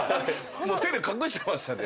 もう手で隠してましたんで。